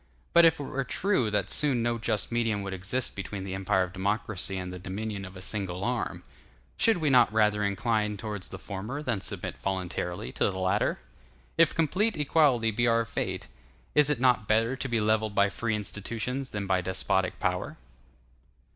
But if it were true that soon no just medium would exist between the empire of democracy and the dominion of a single arm, should we not rather incline towards the former than submit voluntarily to the latter? And if complete equality be our fate, is it not better to be levelled by free institutions than by despotic power?